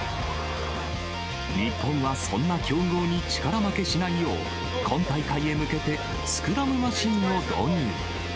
日本はそんな強豪に力負けしないよう、今大会へ向けて、スクラムマシンを導入。